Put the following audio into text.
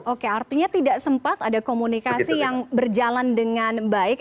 oke artinya tidak sempat ada komunikasi yang berjalan dengan baik